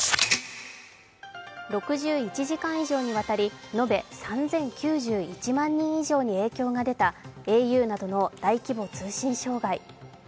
６１時間以上にわたり延べ３０９１万人以上に影響が出たａｕなどの大規模通信障害。